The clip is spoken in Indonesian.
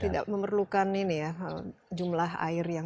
tidak memerlukan ini ya jumlah air yang